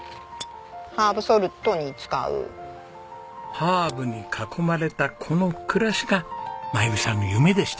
ハーブに囲まれたこの暮らしが真由美さんの夢でした。